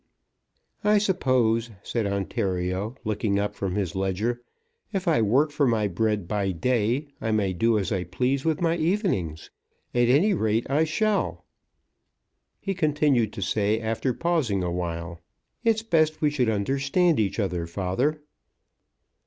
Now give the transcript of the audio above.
"I suppose," said Ontario, looking up from his ledger, "if I work for my bread by day, I may do as I please with my evenings. At any rate I shall," he continued to say after pausing awhile. "It's best we should understand each other, father."